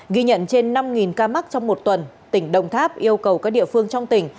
ghi nhận trên năm ca mắc trong một tuần tỉnh đồng tháp yêu cầu các địa phương trong tỉnh